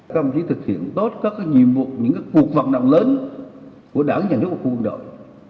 các ông chí thực hiện tốt các nhiệm vụ những cuộc vận động lớn của đảng nhà nước và quân đội